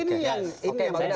ini yang bagus